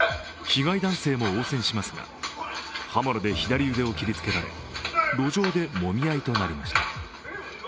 被害男性も応戦しますが刃物で左腕を切りつけられ路上で、もみ合いとなりました。